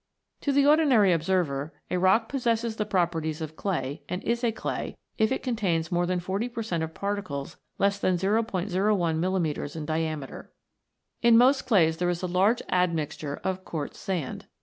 To the ordinary observer, a rock possesses the properties of clay, and is a clay, if it contains more than forty per cent, of particles less than *01 mm. in diameter. In most clays there is a large admixture of quartz sand.